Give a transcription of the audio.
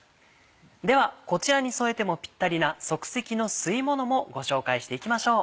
ではこちらに添えてもピッタリな即席の吸いものもご紹介していきましょう。